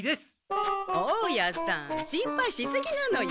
大家さん心配しすぎなのよ。